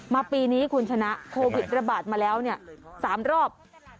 ปีนี้คุณชนะโควิดระบาดมาแล้ว๓รอบ